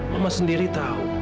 mama sendiri tahu